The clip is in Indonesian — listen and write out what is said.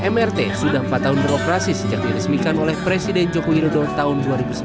mrt sudah empat tahun beroperasi sejak diresmikan oleh presiden joko widodo tahun dua ribu sembilan belas